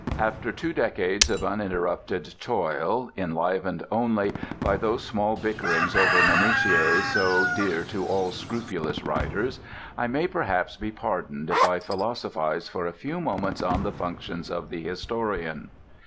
After two decades of uninterrupted toil, enlivened only by those small bickerings over minutiæ so dear to all scrupulous writers, I may perhaps be pardoned if I philosophize for a few moments on the functions of the historian.